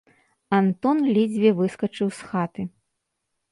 Антон ледзьве выскачыў з хаты.